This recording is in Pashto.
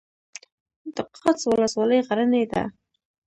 د قادس ولسوالۍ غرنۍ ده